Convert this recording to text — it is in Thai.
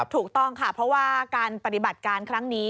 ถูกต้องค่ะเพราะว่าการปฏิบัติการครั้งนี้